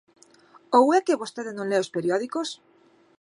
¿Ou é que vostede non le os periódicos?